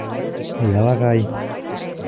Ялағай!